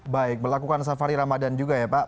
baik melakukan safari ramadan juga ya pak